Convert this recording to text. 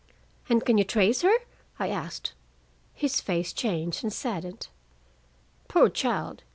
"And can you trace her?" I asked. His face changed and saddened. "Poor child!"